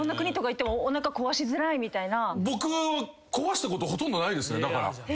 僕壊したことほとんどないですねだから。